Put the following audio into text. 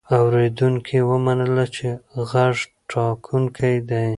اورېدونکي ومنله چې غږ ټاکونکی دی.